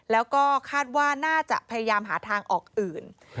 แล้วก็คาดว่าน่าจะพยายามหาทางออกอื่น